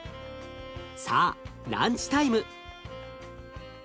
さあランチタイム。